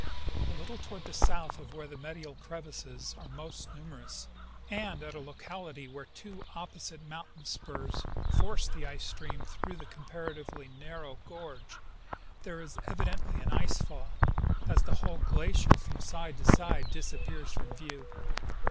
''A little toward the south of where the medial crevasses are most numerous, and at a locality where two opposite mountain spurs force the ice stream through the comparatively narrow gorge, there is evidently an ice fall, as the whole glacier from side to side disappears from view.